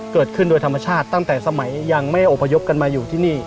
เกิดขึ้นโดยธรรมชาติตั้งแต่สมัยยังไม่อพยพกันมาอยู่ที่นี่